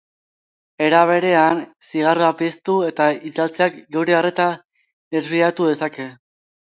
Era berean, zigarroa piztu eta itzaltzeak geure arreta desbideratu dezake.